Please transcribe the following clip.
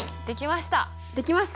できました！